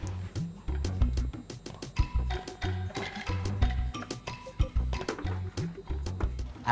masuk ke kamar